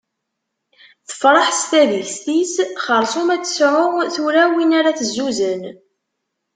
Tefreḥ s tadist-is, xerṣum ad tesɛu tura win ara tezzuzen.